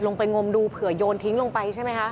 ลงไปงมดูเผื่อโยนทิ้งลงไปใช่ไหมคะ